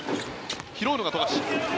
拾うのが富樫。